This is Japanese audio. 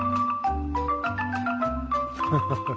フフフッ